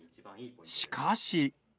しかし。